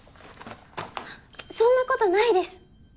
そんなことないです